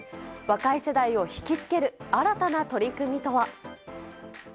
若い世代を引き付ける新たな取り組みとは。